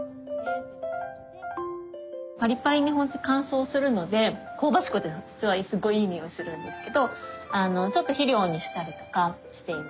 パリパリに乾燥するので香ばしくて実はすごいいい匂いするんですけどちょっと肥料にしたりとかしています。